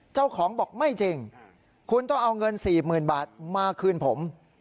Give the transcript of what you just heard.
เจ้าของบอกไม่จริงคุณต้องเอาเงิน๔๐๐๐บาทมาคืนผม